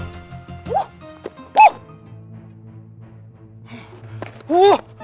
saya akan menang